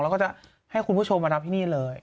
แล้วก็จะให้คุณผู้ชมมารับที่นี่เลย